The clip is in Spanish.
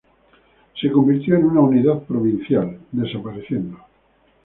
Se convirtió en una unidad provincial, desapareciendo.